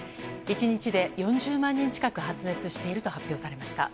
１日で４０万人近く発熱していると発表されました。